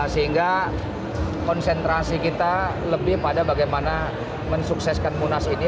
sehingga konsentrasi kita lebih pada bagaimana mensukseskan munas ini